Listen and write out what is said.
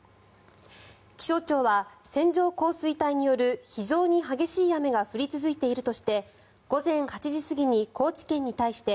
気象庁は線状降水帯による非常に激しい雨が降り続いているとして午前８時過ぎに高知県に対して